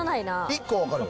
１個は分かる？